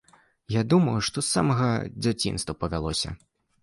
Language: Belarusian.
Я думаю, што з самага дзяцінства павялося.